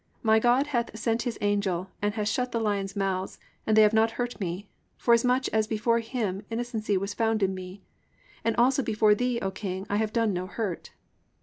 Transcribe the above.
(22) My God hath sent his angel, and hath shut the lions' mouths, and they have not hurt me: forasmuch as before him innocency was found in me; and also before thee, O king, have I done no hurt."